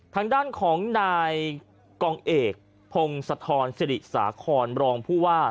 ทางด้านของนายกองเอกพงศธรสิริสาคอนรองผู้ว่า